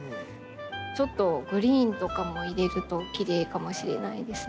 ちょっとグリーンとかも入れるときれいかもしれないですね。